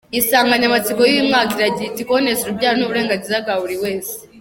Insanganyamatsiko y’uyu mwaka iragira iti "kuboneza urubyaro ni uburenganzira bwa buri wese".